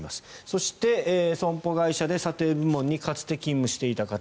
そして、損保会社で査定部門にかつて勤務していた方。